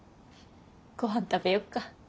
ごはん食べよっか。